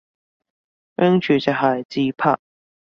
拎住隻鞋自拍